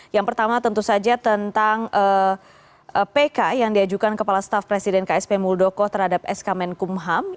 yang pertama tentu saja tentang pk yang diajukan kepala staf presiden ksp muldoko terhadap sk menkumham